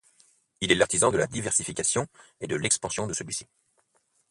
Il est l'artisan de la diversification et de l'expansion de celui-ci.